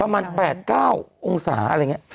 ประมาณ๘๙องศาอะไรอย่างนี้